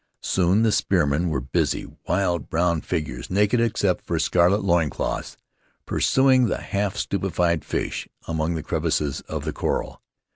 Soon the spearmen were busy — wild brown figures, naked except for scarlet loin cloths — pursuing the half stupefied fish among the crevices of the coral.